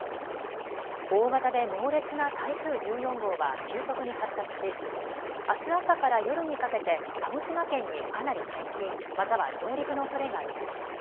大型で猛烈な台風１４号は急速に発達しあす朝から夜にかけて鹿児島県にかなり接近、または上陸のおそれがあります。